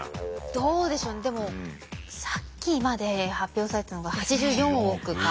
どうでしょうねでもさっきまで発表されたのが８４億か。